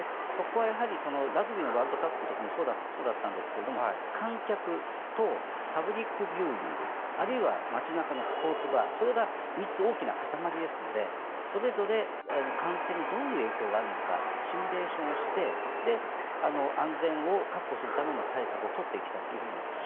ラグビーのワールドカップの時もそうでしたが観客とパブリックビューイングあるいは街中のスポーツバーそれが３つ大きな塊ですのでそれぞれ感染にどのような影響があるのかシミュレーションをして安全を確保するための対策を取っていきたいと思っています。